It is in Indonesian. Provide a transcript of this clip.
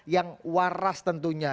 yang waras tentunya